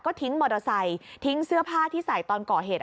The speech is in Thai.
ทิ้งมอเตอร์ไซค์ทิ้งเสื้อผ้าที่ใส่ตอนก่อเหตุ